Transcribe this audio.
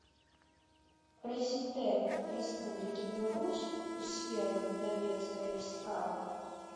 Прэзiдэнт Рэспублiкi Беларусь у сферы выдавецкай справы.